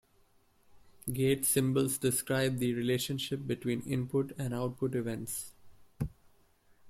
Gate symbols describe the relationship between input and output events.